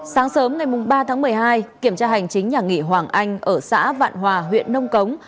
sáng sớm ngày ba tháng một mươi hai kiểm tra hành chính nhà nghỉ hoàng anh ở xã vạn hòa huyện nông cống